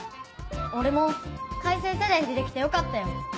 俺も開成チャレンジできてよかったよ。